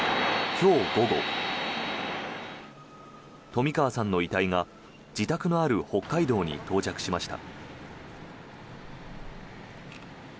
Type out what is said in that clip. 今日午後、冨川さんの遺体が自宅のある北海道に到着しました。